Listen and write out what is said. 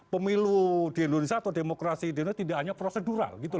pemilu di indonesia atau demokrasi di indonesia tidak hanya prosedural gitu